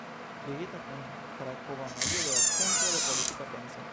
Ligita kun krakova medio de la Centro de Politika Penso.